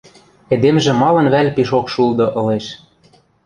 Эдемжӹ малын вӓл пишок шулды ылеш?..